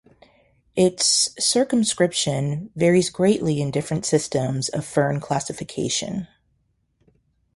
Its circumscription varies greatly in different systems of fern classification.